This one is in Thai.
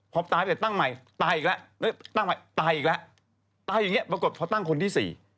พอตายไปตั้งใหม่ตายอีกแล้วตั้งใหม่ตายอีกแล้วตายอย่างนี้ปรากฏพอตั้งคนที่๔